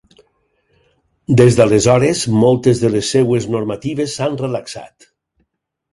Des d'aleshores, moltes de les seves normatives s'han relaxat.